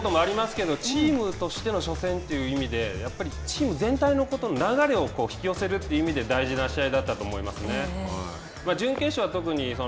初戦は本当に自分の初戦ということもありますけどチームとしての初戦という意味でやっぱりチーム全体のこと流れを引き寄せるという意味で大事な試合だったと思いますね。